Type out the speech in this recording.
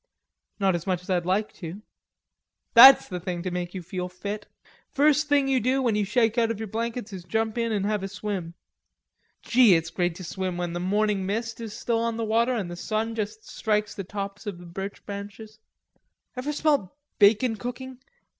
"Not so much as I'd like to." "That's the thing to make you feel fit. First thing you do when you shake out of your blankets is jump in an' have a swim. Gee, it's great to swim when the morning mist is still on the water an' the sun just strikes the tops of the birch trees. Ever smelt bacon cooking?